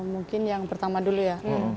mungkin yang pertama dulu ya